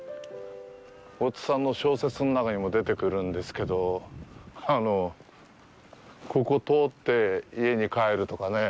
大津さんの小説の中にも出てくるんですけど、ここを通って家に帰るとかね。